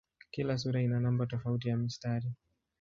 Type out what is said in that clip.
Kila sura ina namba tofauti ya mistari.